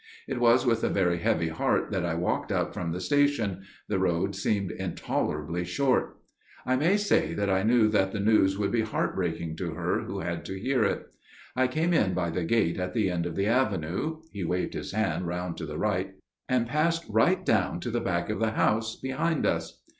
"It was with a very heavy heart that I walked up from the station––the road seemed intolerably short. I may say that I knew that the news would be heart breaking to her who had to hear it. I came in by the gate at the end of the avenue" (he waved his hand round to the right) "and passed right down to the back of the house, behind us.